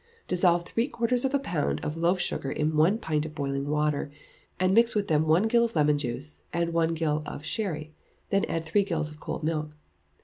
Dissolve three quarters of a pound of loaf sugar in one pint of boiling water, and mix with them one gill of lemon juice, and one gill of sherry, then add three gills of cold milk.